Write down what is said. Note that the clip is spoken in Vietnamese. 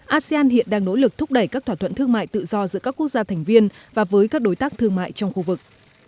asean hiện đang nỗ lực thúc đẩy các thỏa thuận thương mại tự do giữa các quốc gia thành viên và với các đối tác thương mại trong khu vực